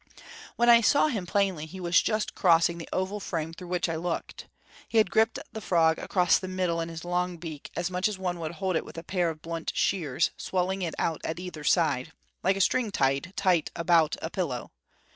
When I saw him plainly he was just crossing the oval frame through which I looked. He had gripped the frog across the middle in his long beak, much as one would hold it with a pair of blunt shears, swelling it out at either side, like a string tied tight about a pillow.